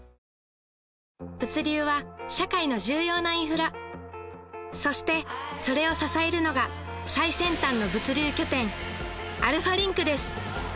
物流は社会の重要なインフラそしてそれを支えるのが最先端の物流拠点アルファリンクです